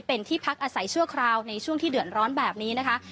เป็นที่พักอาศัยชั่วคราวในช่วงที่เดือดร้อนแบบนี้นะคะ